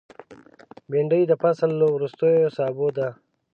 بېنډۍ د فصل له وروستیو سابو ده